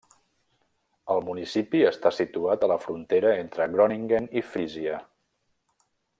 El municipi està situat a la frontera entre Groningen i Frísia.